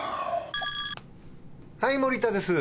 はい森田です。